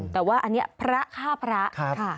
แต่ว่าอันนี้พระฆ่าพระค่ะ